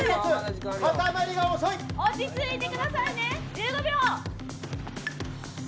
落ち着いてくださいね。